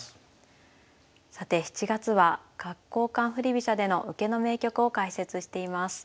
さて７月は角交換振り飛車での受けの名局を解説しています。